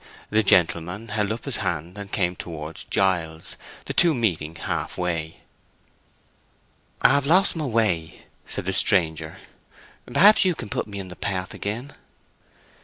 The gentleman held up his hand and came towards Giles, the two meeting half way. "I have lost my way," said the stranger. "Perhaps you can put me in the path again."